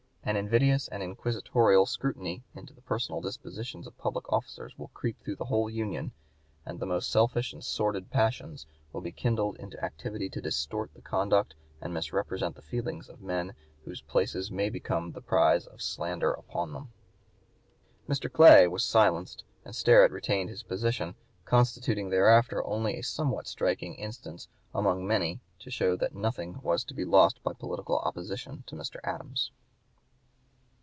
An invidious and inquisitorial scrutiny into the personal dispositions of public officers will creep through the whole Union, and the most selfish and sordid passions will be kindled into activity to distort the conduct and misrepresent the feelings of men whose places may become the prize of slander upon them." Mr. Clay was silenced, and Sterret retained his position, constituting thereafter only a somewhat striking instance among many to show that nothing was to be lost by political opposition to Mr. Adams.